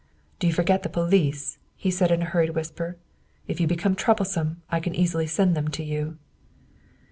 ' Do you forget the police?" he said in a hurried whisper. " If you become troublesome, I can easily send them to you."